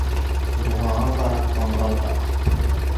Дуғаңа ҡарап ҡыңғырау таҡ.